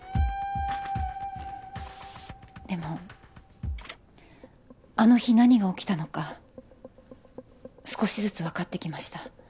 でもあの日何が起きたのか少しずつわかってきました。